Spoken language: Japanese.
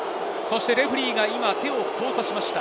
レフェリーが手を交差しました。